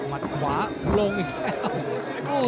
มัดขวาลงอีกแล้ว